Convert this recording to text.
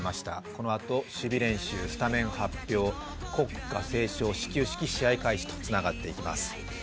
このあと守備練習、スタメン発表、国歌斉唱、始球式試合開始とつながっていきます。